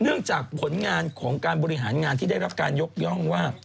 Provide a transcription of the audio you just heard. จากผลงานของการบริหารงานที่ได้รับการยกย่องว่า